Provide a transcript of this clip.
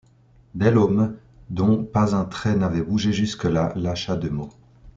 Delhomme, dont pas un trait n’avait bougé jusque-là, lâcha deux mots.